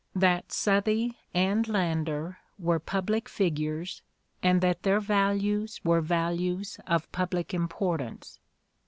That Southey and Landor were public figures and that their values were values of public importance.